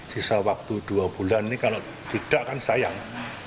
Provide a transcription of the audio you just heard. sisa waktu dua bulan ini kalau tidak kan sayang